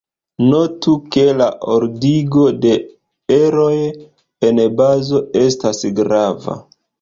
Notu, ke la ordigo de eroj en bazo estas grava.